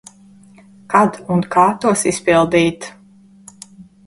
Kad un kā tos izpildīt.